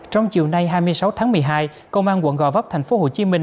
trong chiều nay hai mươi sáu tháng một mươi hai công an quận gò vấp thành phố hồ chí minh